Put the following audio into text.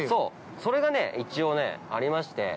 それがね一応ありまして。